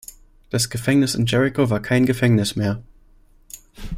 Das Gefängnis in Jericho war kein Gefängnis mehr.